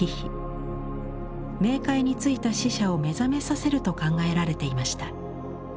冥界に着いた死者を目覚めさせると考えられていました。